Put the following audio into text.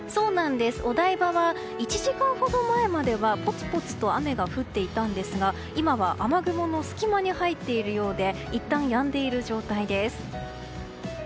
お台場は、１時間ほど前まではぽつぽつと雨が降っていたんですが今は雨雲の隙間に入っているようでいったんやんでいる状態です。